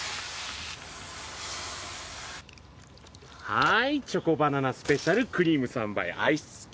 はいチョコバナナスペシャルクリーム３倍アイス付き。